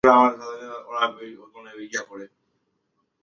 এই মাদ্রাসাটি ফাযিল স্তরের, এখানে ইবতেদায়ী, দাখিল, আলিম ও ফাযিল বিভাগ রয়েছে।